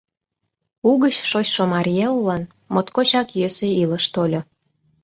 Угыч шочшо Марий эллан моткочак йӧсӧ илыш тольо.